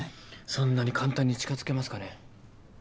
そんなに簡単に近づけますかね。